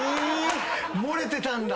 漏れてたんだ。